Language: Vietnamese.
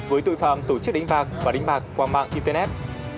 với tội phạm tổ chức đánh bạc và đánh bạc qua mạng internet